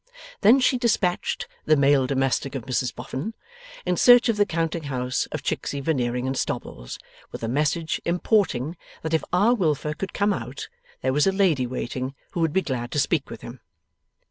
Thence she despatched 'the male domestic of Mrs Boffin,' in search of the counting house of Chicksey Veneering and Stobbles, with a message importing that if R. Wilfer could come out, there was a lady waiting who would be glad to speak with him.